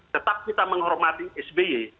tetap kita menghormati sby